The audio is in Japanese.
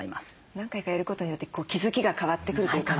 何回かやることによって気付きが変わってくるんですか？